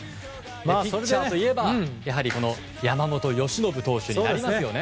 ピッチャーといえばやはり山本由伸投手になりますよね。